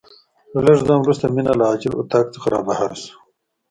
له لږ ځنډ وروسته مينه له عاجل اتاق څخه رابهر شوه.